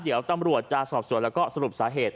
เดี๋ยวตำรวจจะสอบส่วนแล้วก็สรุปสาเหตุ